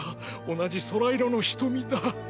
同じ空色の瞳だ。